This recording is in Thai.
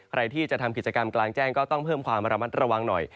ใครที่จะทำกิจกรรมกลางแจ้งก็ต้องเพิ่มความระมัดระวังหน่อย